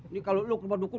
nih kalo lo ke rumah dukun